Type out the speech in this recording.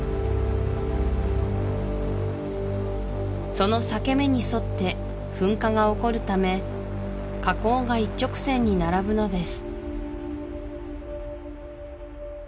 その裂け目に沿って噴火が起こるため火口が一直線に並ぶのです